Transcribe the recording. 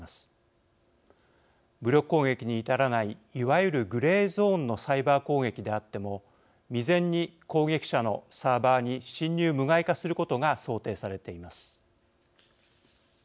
武力攻撃に至らないいわゆるグレーゾーンのサイバー攻撃であっても未然に攻撃者のサーバーに侵入無害化することが想定されています。